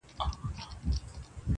له مستیه مي غزل څومره سرشار دی,